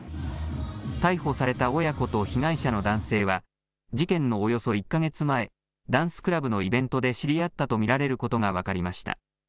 逮捕された親子と被害者の男性は、事件のおよそ１か月前、ダンスクラブのイベントで知り合ったと見られることが分かりました。